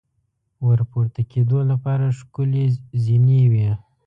ور پورته کېدو لپاره ښکلې زینې وې.